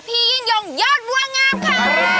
พี่ยิ่งยงยอดบัวงามค่ะ